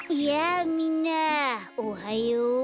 やあみんなおはよう。